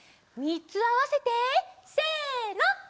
みっつあわせてせの！